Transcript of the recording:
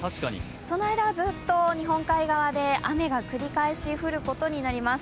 その間はずっと日本海側で雨が繰り返し降ることになります。